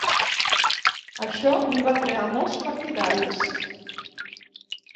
Això li va crear molts partidaris.